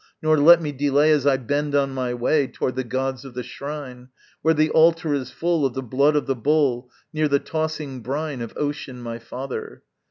Nor let me delay As I bend on my way Toward the gods of the shrine Where the altar is full Of the blood of the bull, Near the tossing brine Of Ocean my father.